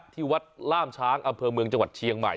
ที่วัดล่ามช้างอำเภอเมืองจังหวัดเชียงใหม่